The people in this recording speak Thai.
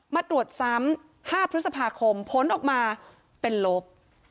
มาตรวจซ้ำ๕พฤษภาคมผลออกมาเป็นลบ